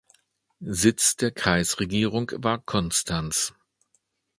Sitz der Kreisregierung war Konstanz.